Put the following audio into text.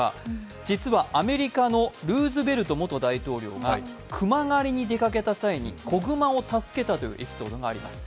実はアメリカのルーズベルト元大統領が熊狩りに出かけた際に子熊を助けたというエピソードがあります。